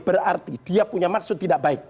berarti dia punya maksud tidak baik